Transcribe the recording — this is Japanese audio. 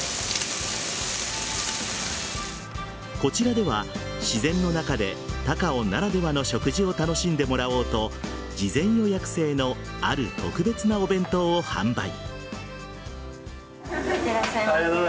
こちらでは、自然の中で高尾ならではの食事を楽しんでもらおうと事前予約制のある特別なお弁当を販売。